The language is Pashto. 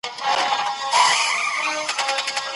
مقاومت د هر سخت کار یوازینۍ حل لاره ده.